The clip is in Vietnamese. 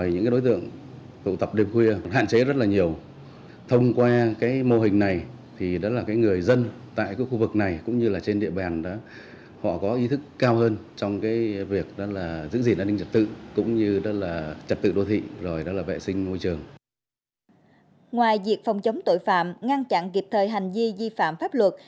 ngoài việc phòng chống tội phạm ngăn chặn kịp thời hành di di phạm pháp luật